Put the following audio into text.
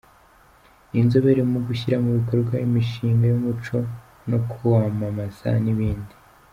Ni inzobere mu gushyira mu bikorwa imishinga y’Umuco no kuwamamaza n’ibindi.